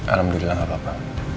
alhamdulillah gak apa apa